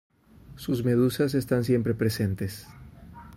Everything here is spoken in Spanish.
Sus medusas están siempre presentes.